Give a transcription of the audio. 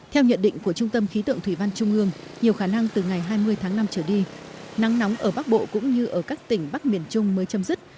theo nhận định của trung tâm khí tượng thủy văn trung ương nhiều khả năng từ ngày hai mươi tháng năm trở đi nắng nóng ở bắc bộ cũng như ở các tỉnh bắc miền trung mới chấm dứt